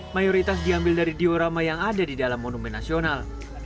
mayoritas diambil dari diorama yang ada di dalam monumen nasional